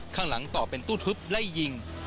ข้างหลังต่อเป็นตู้ทึบไล่ยิง